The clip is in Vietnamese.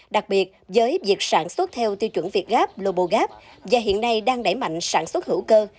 đặc biệt với việc sản xuất theo tiêu chuẩn việt gap global gap và hiện nay đang đẩy mạnh sản xuất hữu cơ